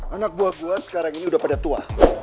anak buah gua sekarang ini sudah pada tua